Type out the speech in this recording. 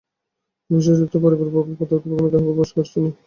তিনি বিশেষত করে তাঁর বাবার পদার্থবিজ্ঞানের প্রতি আগ্রহকে প্রকাশ করেছিলেন।